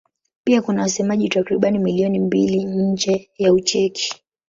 Pia kuna wasemaji takriban milioni mbili nje ya Ucheki.